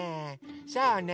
そうねえ。